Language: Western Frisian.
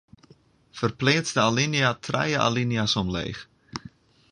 Ferpleats de alinea trije alinea's omleech.